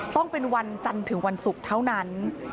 ต้องเป็นวันจันทร์ถึงวันศุกร์เท่านั้น